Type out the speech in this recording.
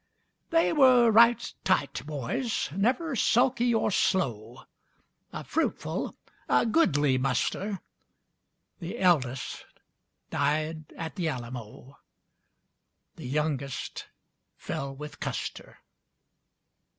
They were right, tight boys, never sulky or slow, A fruitful, a goodly muster. The eldest died at the Alamo. The youngest fell with Custer.